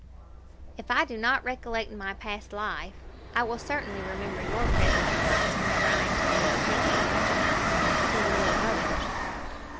"If I do not recollect my past life, I will certainly remember your present advice whenever I am tempted to think too much of myself and too little of others."